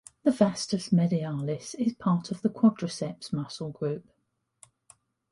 The vastus medialis is part of the quadriceps muscle group.